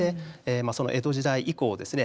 江戸時代以降ですね